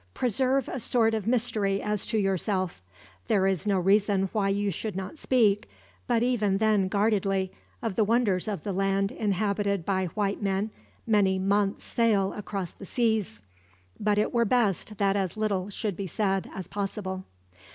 Preserve a sort of mystery as to yourself. There is no reason why you should not speak, but even then guardedly, of the wonders of the land inhabited by white men many months' sail across the seas; but it were best that as little should be said as possible.